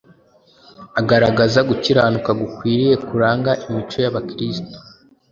Agaragaza gukiranuka gukwiriye kuranga imico y’Abakristo.